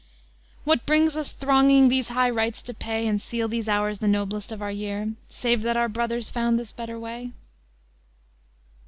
What brings us thronging these high rites to pay, And seal these hours the noblest of our year, Save that our brothers found this better way?